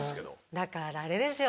だからあれですよ